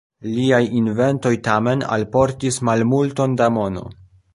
Liaj inventoj tamen alportis malmulton da mono.